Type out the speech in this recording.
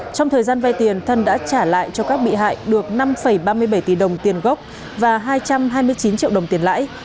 trong thời gian vay tiền thân đã trả lại cho các bị hại được năm ba mươi bảy tỷ đồng tiền gốc và hai trăm hai mươi chín triệu đồng tiền lãi